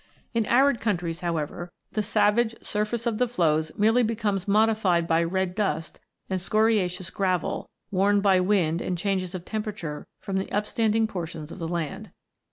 In arid countries, however, the savage surface of the 136 ROCKS AND THEIR ORIGINS [CH. flows merely becomes modified by red dust and scoriaceous gravel, worn by wind and changes of temperature from the upstanding portions of the land.